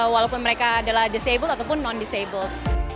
walaupun mereka adalah disabled ataupun non disabled